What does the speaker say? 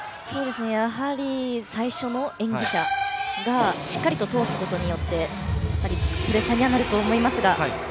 やはり、最初の演技者がしっかりと通すことによってプレッシャーにはなると思いますが。